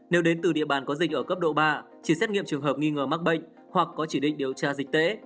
nếu đến từ địa bàn có dịch ở cấp độ ba chỉ xét nghiệm trường hợp nghi ngờ mắc bệnh hoặc có chỉ định điều tra dịch tễ